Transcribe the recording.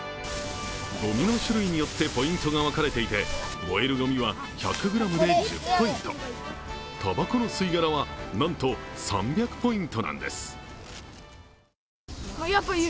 ごみの種類によってポイントが分かれていて燃えるごみは１００ｇで１０ポイント、たばこの吸い殻はなんと３００ポイントなんです。